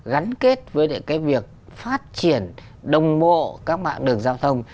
gắn kết với cái việc phát triển đồng bộ các mạng đường giao thông